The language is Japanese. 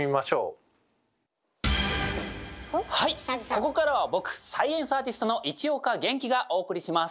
ここからは僕サイエンスアーティストの市岡元気がお送りします。